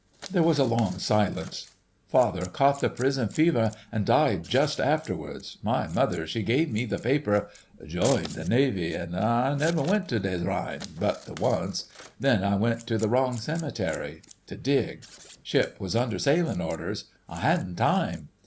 There was a long silence. "Father caught the prison fever an' died just afterwards. My mother, she gave me the paper ... joined the Navy: an' I never went to des Reines but the once ... then I went to the wrong cemetery to dig: ship was under sailin' orders—I hadn't time.